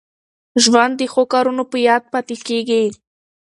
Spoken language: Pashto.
ژوند د ښو کارونو په یاد پاته کېږي.